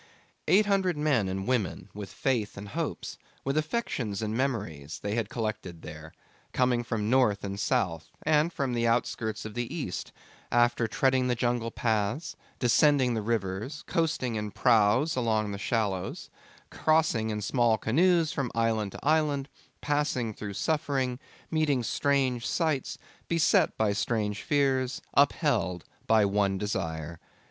Eight hundred men and women with faith and hopes, with affections and memories, they had collected there, coming from north and south and from the outskirts of the East, after treading the jungle paths, descending the rivers, coasting in praus along the shallows, crossing in small canoes from island to island, passing through suffering, meeting strange sights, beset by strange fears, upheld by one desire.